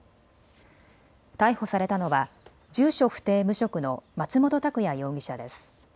逮捕されたのは住所不定、無職の松元拓也容疑者です。